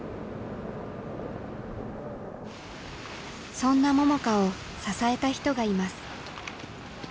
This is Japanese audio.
そんな桃佳を支えた人がいます。